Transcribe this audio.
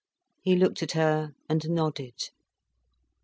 He looked at her and nodded.